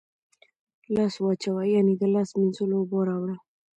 لاس واچوه ، یعنی د لاس مینځلو اوبه راوړه